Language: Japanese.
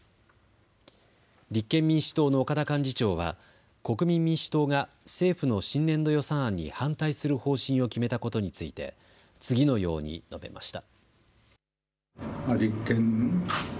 立憲民主党の岡田幹事長は国民民主党が政府の新年度予算案に反対する方針を決めたことについて次のように述べました。